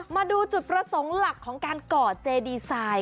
มาดูจุดประสงค์หลักของการก่อเจดีไซน์